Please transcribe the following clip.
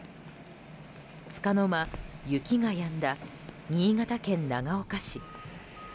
つかの間、雪がやんだ新潟県長岡市。